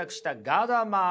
ガダマー。